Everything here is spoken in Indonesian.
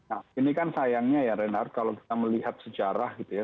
nah ini kan sayangnya ya reinhardt kalau kita melihat sejarah gitu ya